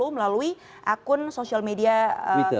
melalui akun sosial media twitter ya